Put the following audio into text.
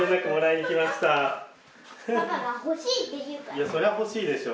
いやそりゃほしいでしょ。